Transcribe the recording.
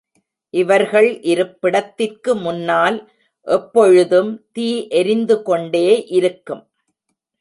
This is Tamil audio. இவர்கள் இருப்பிடத்திற்கு முன்னால் எப்பொழுதும் தீ எரிந்துகொண்டே இருக்கும்.